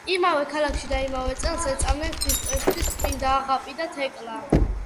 იმავე ქალაქში და იმავე წელს ეწამნენ ქრისტესთვის წმიდა აღაპი და თეკლა.